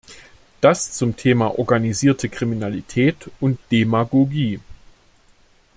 Das zum Thema "Organisierte Kriminalität" und "Demagogie" .